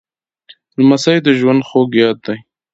لمسی د ژوند خوږ یاد دی.